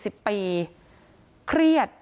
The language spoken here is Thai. ศพที่สอง